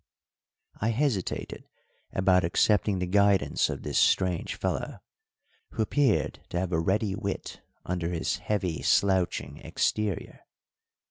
I hesitated about accepting the guidance of this strange fellow, who appeared to have a ready wit under his heavy slouching exterior.